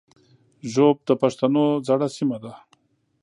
ږوب د پښتنو زړه سیمه ده